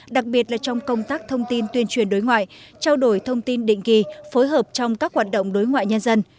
đặc biệt là trong công tác thông tin tuyên truyền đối ngoại trao đổi thông tin định kỳ phối hợp trong các hoạt động đối ngoại nhân dân